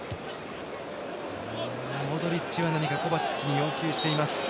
モドリッチは何かコバチッチに要求しています。